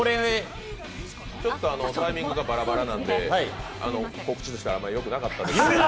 ちょっとタイミングがバラバラなんで、告知としてはあまりよくなかったんですけど。